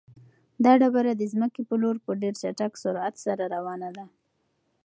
دا ډبره د ځمکې په لور په ډېر چټک سرعت سره روانه ده.